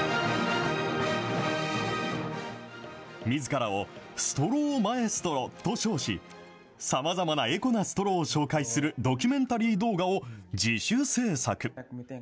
みずからをストローマエストロと称し、さまざまなエコなストローを紹介するドキュメンタリー動画を自主制作。